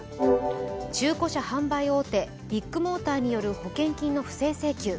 中古車販売大手ビッグモーターによる保険金の不正請求。